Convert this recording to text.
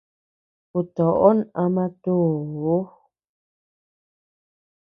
Kutoʼon ama tuu.